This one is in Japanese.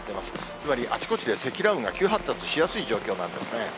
つまりあちこちで積乱雲が急発達しやすい状況なんですね。